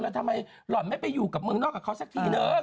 แล้วทำไมหล่อนไม่ไปอยู่กับเมืองนอกกับเขาสักทีนึง